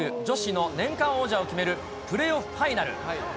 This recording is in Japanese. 女子の年間王者を決める女子のプレーオフファイナル。